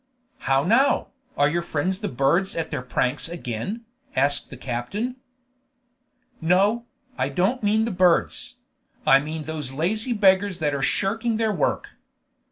"How now? Are your friends the birds at their pranks again?" asked the captain. "No, I don't mean the birds: I mean those lazy beggars that are shirking their work.